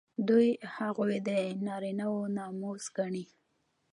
دوی هغوی د نارینه وو ناموس ګڼي.